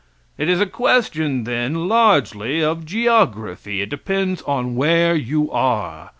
It is a question, then, largely of Geography. It depends on where you are.